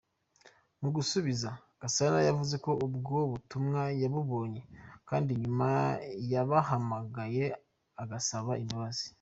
Mu gusubiza, Gasana yavuze ko ubwo butumwa yabubonye kandi nyuma yabahamagaye agasaba imbabazi.